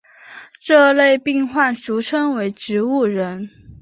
这类病患俗称为植物人。